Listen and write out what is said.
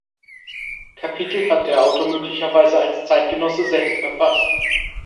Kapitel hat der Autor möglicherweise als Zeitgenosse selbst verfasst.